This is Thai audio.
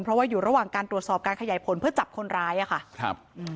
เพราะว่าอยู่ระหว่างการตรวจสอบการขยายผลเพื่อจับคนร้ายอ่ะค่ะครับอืม